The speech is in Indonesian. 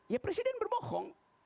ya presiden berbohong